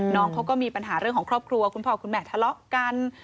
น้องเขาก็มีปัญหาเรื่องของครอบครัวคุณพ่อคุณแม่ทะเลาะกัน